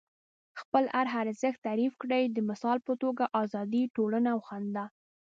خپل هر ارزښت تعریف کړئ. د مثال په توګه ازادي، ټولنه او خندا.